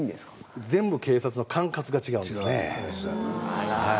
あら！